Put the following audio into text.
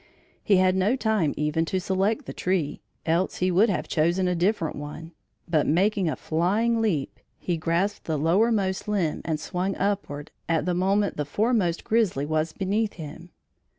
He had no time even to select the tree, else he would have chosen a different one, but making a flying leap, he grasped the lowermost limb and swung upward, at the moment the foremost grizzly was beneath him.